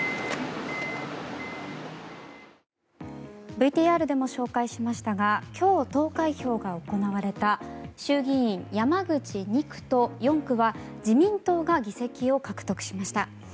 ＶＴＲでも紹介しましたが今日、投開票が行われた衆議院山口２区と４区は自民党が議席を獲得しました。